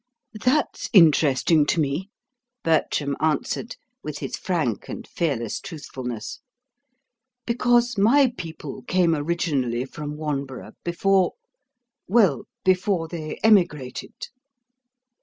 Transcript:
"That's interesting to me," Bertram answered, with his frank and fearless truthfulness, "because my people came originally from Wanborough before well, before they emigrated."